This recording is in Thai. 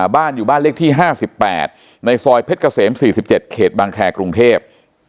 บ้านอยู่บ้านเลขที่๕๘ในซอยเพชรเกษม๔๗เขตบางแครกรุงเทพ